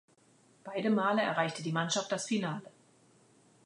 Beide Male erreichte die Mannschaft das Finale.